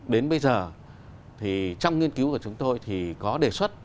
đến bây giờ thì trong nghiên cứu của chúng tôi thì có đề xuất